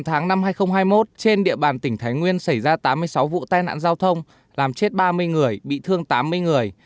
sáu tháng năm hai nghìn hai mươi một trên địa bàn tỉnh thái nguyên xảy ra tám mươi sáu vụ tai nạn giao thông làm chết ba mươi người bị thương tám mươi người